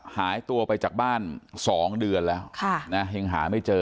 หายตัวไปจากบ้าน๒เดือนแล้วยังหาไม่เจอ